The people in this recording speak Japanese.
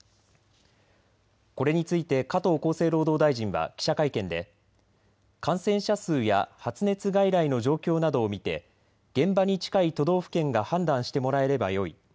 これについて加藤厚生労働大臣は記者会見で感染者数や発熱外来の状況などを見て現場に近い都道府県が判断してもらえればよい。